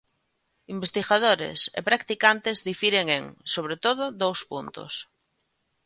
Investigadores e practicantes difiren en, sobre todo, dous puntos.